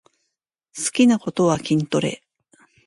好きなことは筋トレ